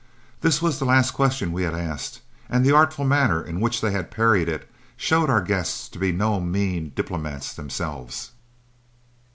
This was the last question we had asked, and the artful manner in which they had parried it showed our guests to be no mean diplomats themselves.